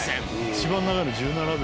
「一番長いの１７秒」